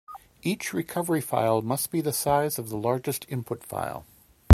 Each recovery file must be the size of the largest input file.